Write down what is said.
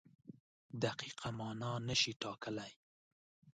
دقیقه مانا نشي ټاکلی.